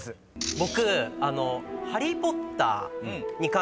僕。